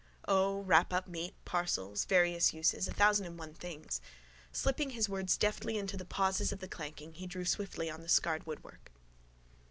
O, wrap up meat, parcels: various uses, thousand and one things. Slipping his words deftly into the pauses of the clanking he drew swiftly on the scarred woodwork.